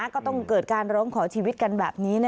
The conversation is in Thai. ก็ต้องเกิดการร้องขอชีวิตกันแบบนี้